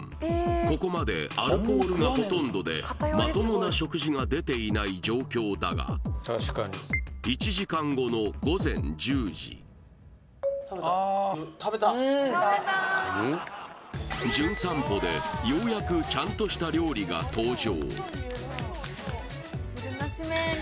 ここまでアルコールがほとんどでまともな食事が出ていない状況だが１時間後の午前１０時「じゅん散歩」でようやくちゃんとした料理が登場